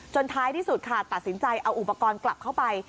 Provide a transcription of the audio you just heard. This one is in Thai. ท้ายที่สุดค่ะตัดสินใจเอาอุปกรณ์กลับเข้าไป